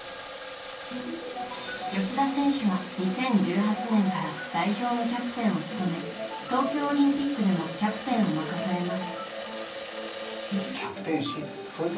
吉田選手は２０１８年から代表のキャプテンを務め東京オリンピックでもキャプテンを任されます。